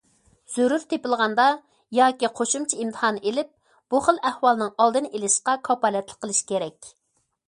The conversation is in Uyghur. زۆرۈر تېپىلغاندا ياكى قوشۇمچە ئىمتىھان ئېلىپ، بۇ خىل ئەھۋالنىڭ ئالدىنى ئېلىشقا كاپالەتلىك قىلىش كېرەك.